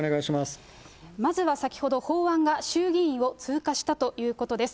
まずは先ほど、法案が衆議院を通過したということです。